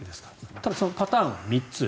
ただ、そのパターンは３つ。